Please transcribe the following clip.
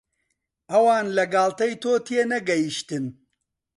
ئەوان لە گاڵتەی تۆ تێنەگەیشتن.